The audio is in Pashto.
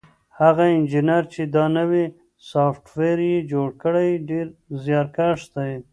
هغه انجنیر چې دا نوی سافټویر یې جوړ کړی ډېر زیارکښ دی.